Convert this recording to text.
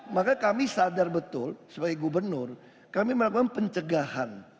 maka kami sadar betul sebagai gubernur kami melakukan pencegahan